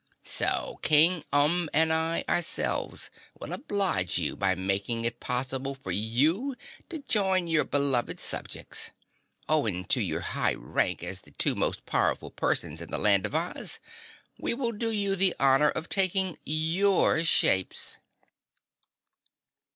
So King Umb and I, ourselves, will oblige you by making it possible for you to join your beloved subjects. Owing to your high rank as the two most powerful persons in the Land of Oz, we will do you the honor of taking your shapes."